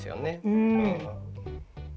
うん。